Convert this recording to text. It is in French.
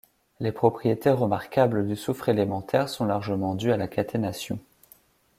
Les propriétés remarquables du soufre élémentaire sont largement dues à la caténation.